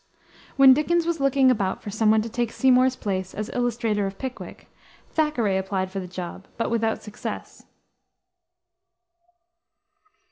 When Dickens was looking about for some one to take Seymour's place as illustrator of Pickwick, Thackeray applied for the job, but without success.